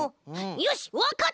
よしわかった！